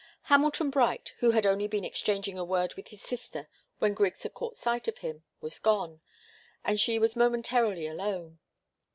Hamilton Bright, who had only been exchanging a word with his sister when Griggs had caught sight of him, was gone, and she was momentarily alone.